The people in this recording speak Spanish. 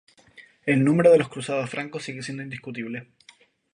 El número de los cruzados francos sigue siendo indiscutible.